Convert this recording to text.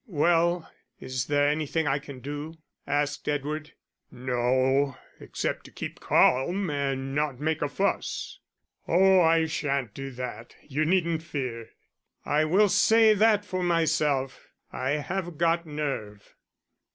"Well, is there anything I can do?" asked Edward. "No, except to keep calm and not make a fuss." "Oh, I shan't do that; you needn't fear. I will say that for myself, I have got nerve."